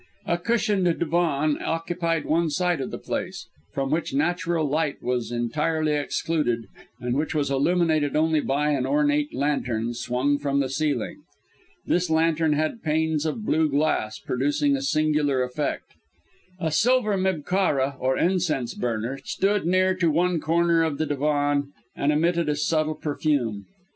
A cushioned divan occupied one side of the place, from which natural light was entirely excluded and which was illuminated only by an ornate lantern swung from the ceiling. This lantern had panes of blue glass, producing a singular effect. A silver mibkharah, or incense burner, stood near to one corner of the divan and emitted a subtle perfume.